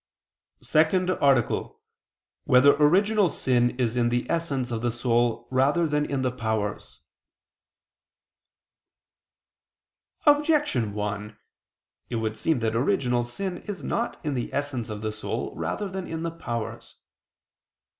________________________ SECOND ARTICLE [I II, Q. 83, Art. 2] Whether Original Sin Is in the Essence of the Soul Rather Than in the Powers? Objection 1: It would seem that original sin is not in the essence of the soul rather than in the powers.